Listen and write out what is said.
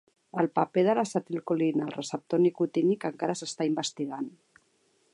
El paper de l'acetilcolina al receptor nicotínic encara s'està investigant.